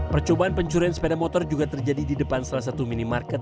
percobaan pencurian sepeda motor juga terjadi di depan salah satu minimarket